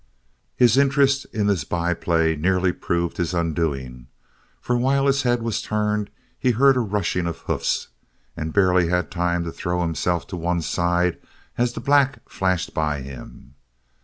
His interest in this by play nearly proved his undoing for while his head was turned he heard a rushing of hoofs and barely had time to throw himself to one side as the black flashed by him.